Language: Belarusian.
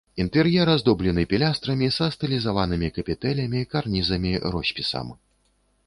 Інтэр'ер аздоблены пілястрамі са стылізаванымі капітэлямі, карнізамі, роспісам.